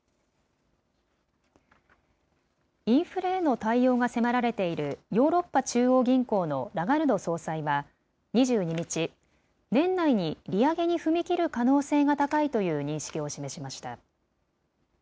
インフレへの対応が迫られているヨーロッパ中央銀行のラガルド総裁は、２２日、年内に利上げに踏み切る可能性が高いという認識を示しました。